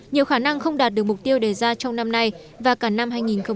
nhiều khả năng không đạt được mục tiêu đề ra trong năm nay và cả năm hai nghìn hai mươi